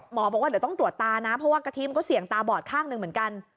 หมอบอกว่าเดี๋ยวต้องตรวจตานะเพราะว่ากระทิมก็เสี่ยงตาบอดข้างหนึ่งเหมือนกัน